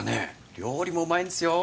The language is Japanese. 料理もうまいんですよ